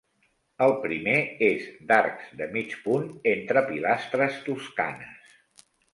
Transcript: El primer és d'arcs de mig punt entre pilastres toscanes.